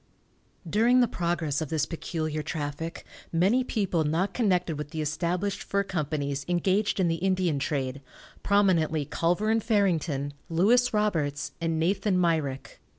During the progress of this peculiar traffic many people not connected with the established fur companies, engaged in the Indian trade, prominently Culver and Farrington, Louis Roberts, and Nathan Myrick.